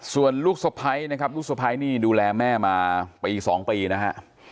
ส่วนลูกสะพ้ายนะครับลูกสะพ้ายนี่ดูแลแม่มาปี๒ปีนะฮะ